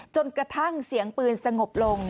จนกระทั่งเสียงปืนสงบลง